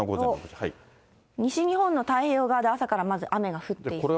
西日本の太平洋側で朝からまず雨が降っています。